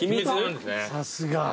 さすが。